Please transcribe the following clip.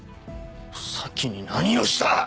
咲に何をした！